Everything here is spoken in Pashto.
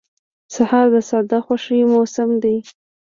سهار د ساده خوښیو موسم دی.